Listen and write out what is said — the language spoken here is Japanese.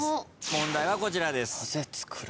問題はこちらです。